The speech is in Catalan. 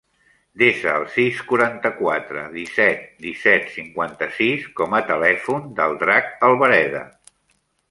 Desa el sis, quaranta-quatre, disset, disset, cinquanta-sis com a telèfon del Drac Albareda.